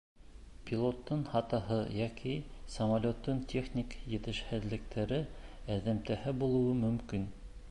Пилоттың хатаһы йәки самолеттың техник етешһеҙлектәре эҙемтәһе булыуы мөмкин.